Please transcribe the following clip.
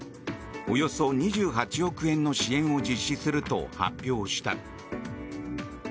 およそ２８億円の支援を実施すると発表した。